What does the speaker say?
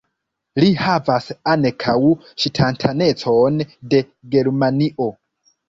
Li havas ankaŭ ŝtatanecon de Germanio.